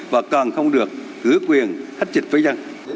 và còn không được gửi quyền hát trịch với dân